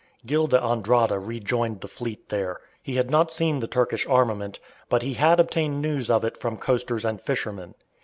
Gil d'Andrada rejoined the fleet there. He had not seen the Turkish armament, but he had obtained news of it from coasters and fishermen.